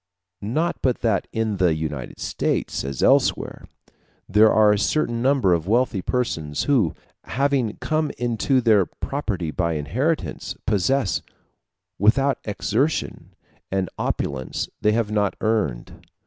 Not but that in the United States, as elsewhere, there are a certain number of wealthy persons who, having come into their property by inheritance, possess, without exertion, an opulence they have not earned.